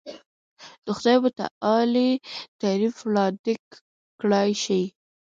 د خدای متعالي تعریف وړاندې کړای شي.